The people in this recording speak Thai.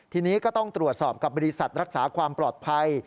ทีนี้ก็ต้องตรวจสอบกับบริษัทรักษาความปลอดภัย